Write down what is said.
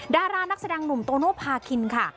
ดารานักแสดงหนุ่มโตโนภาคินค่ะ